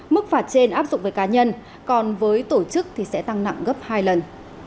mức phạt trên áp dụng với cá nhân còn với tổ chức thì sẽ tăng nặng gấp hai lần